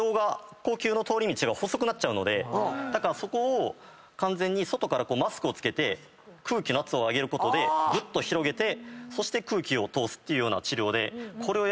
呼吸の通り道が細くなっちゃうのでだからそこを完全に外からマスクを着けて空気の圧を上げることでぐっと広げてそして空気を通すっていうような治療で。